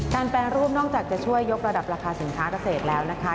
แปรรูปนอกจากจะช่วยยกระดับราคาสินค้าเกษตรแล้วนะคะ